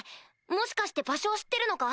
もしかして場所を知ってるのか？